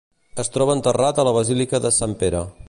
Es troba enterrat a la Basílica de Sant Pere.